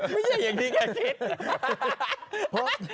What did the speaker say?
ไม่ใช่อย่างที่แกคิด